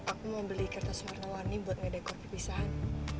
aku mau beli kertas warna warni buat ngedekor perpisahan